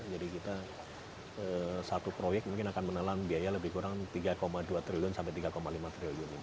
jadi kita satu proyek mungkin akan menelan biaya lebih kurang tiga dua triliun sampai tiga lima triliun